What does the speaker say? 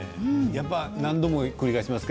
何度も繰り返します